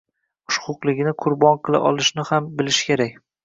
xushxulqligini qurbon qila olishni ham bilishi kerak.